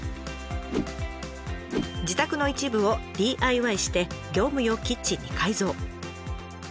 自宅の一部をＤＩＹして業務用キッチンに改造。